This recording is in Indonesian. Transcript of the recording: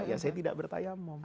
ya saya tidak bertayamum